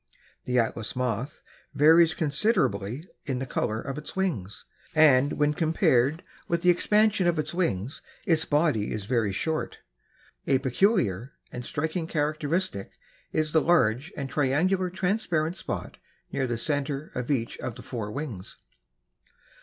The Atlas Moth varies considerably in the color of its wings and, when compared with the expanse of its wings, its body is very short. A peculiar and striking characteristic is the large and triangular transparent spot near the center of each of the four wings.